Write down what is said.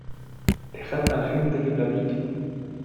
¡ dejad a la gente que platique!